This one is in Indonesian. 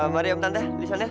mari om tante lisa nel